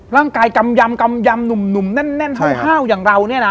กำยำกำยำหนุ่มแน่นห้าวอย่างเราเนี่ยนะ